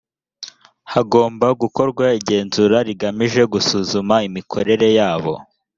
hagomba gukorwa igenzura rigamije gusuzuma imikorere yabo